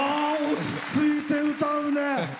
落ち着いて歌うね。